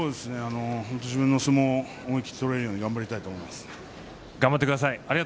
自分の相撲を思い切って取れるように頑張ってください。